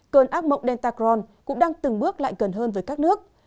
cơn ác mộng delta cron cũng đang từng bước lại gần hơn với các nước